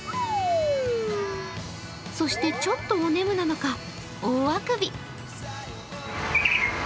そして、ちょっとおねむなのか大あくび。